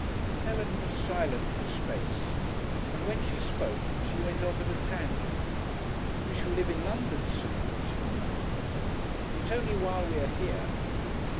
Helen was silent for a space, and when she spoke she went off at a tangent. "We shall live in London soon," she remarked. "It's only while we are here."